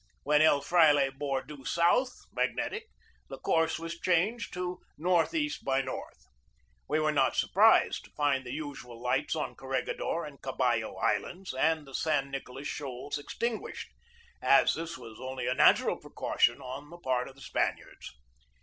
When El Fraile bore due south (magnetic) the course was changed to northeast by north. We were not surprised to find the usual lights on Corregidor and Caballo Islands and the San Nicolas Shoals extinguished, as this was only a natural precaution on the part of the Spaniards.